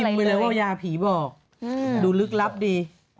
แต่เขาพิมพ์ไปเลยว่าไอ้ยาผีบอกดูลึกลับดี